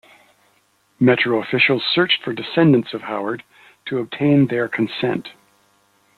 Metro officials searched for descendants of Howard to obtain their consent.